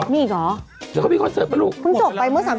คุณจบไปเมื่อ๓๑กรกฎาก็ได้เอง